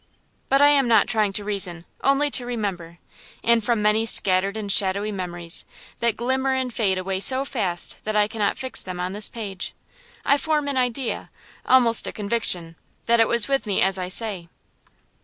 But I am trying not to reason, only to remember; and from many scattered and shadowy memories, that glimmer and fade away so fast that I cannot fix them on this page, I form an idea, almost a conviction, that it was with me as I say.